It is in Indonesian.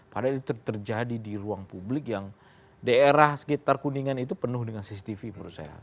padahal itu terjadi di ruang publik yang daerah sekitar kuningan itu penuh dengan cctv menurut saya